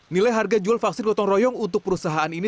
nilai harga jual vaksin gotong royong untuk perusahaan ini